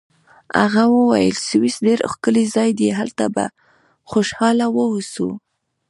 هغې وویل: سویس ډېر ښکلی ځای دی، هلته به خوشحاله واوسو.